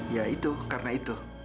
ya itu karena itu